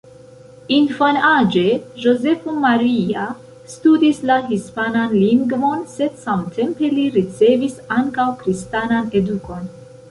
Infanaĝe Jozefo Maria studis la hispanan lingvon, sed samtempe li ricevis ankaŭ kristanan edukon.